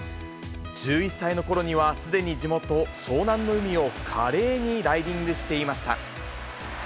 １１歳のころにはすでに地元、湘南の海を華麗にライディングしていました。